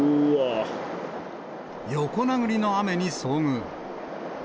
横殴りの雨に遭遇。